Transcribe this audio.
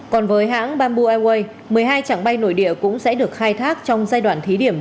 còn với hãng bamboo airways một mươi hai trạng bay nội địa cũng sẽ được khai thác trong giai đoạn thí điểm